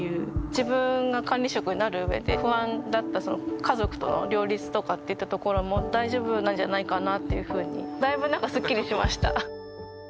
自分が管理職になるうえで不安だったその家族との両立といったところも大丈夫なんじゃないかなっていうふうにだいぶなんかスッキリしました。